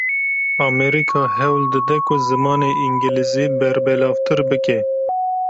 Amerîka hewl dide ku zimanê îngilîzî berbelavtir bike.